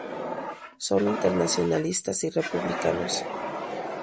Son internacionalistas y republicanos.